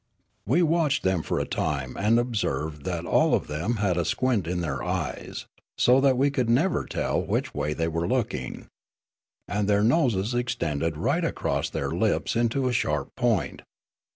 " We watched them for a time, and observed that all of them had a squint in their eyes, so that we could never tell which way they were looking. And their noses extended right across their lips into a sharp point.